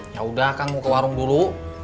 yaudah akang mau ke warung dulu